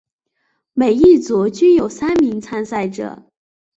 每一组均有三名参赛者。